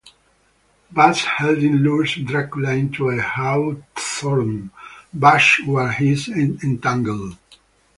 Van Helsing lures Dracula into a hawthorn bush where he is entangled.